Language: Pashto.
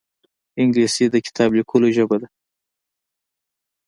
انګلیسي د کتاب لیکلو ژبه ده